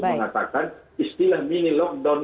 mengatakan istilah mini lockdown